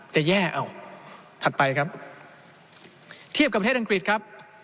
จะแย่เอาถัดไปครับเทียบกับประเทศอังกฤษครับ